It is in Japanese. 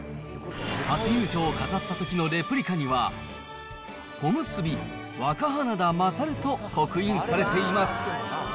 初優勝を飾ったときのレプリカには、小結・若花田勝と刻印されています。